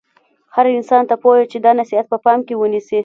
هر انسان ته پویه چې دا نصحیت په پام کې ونیسي.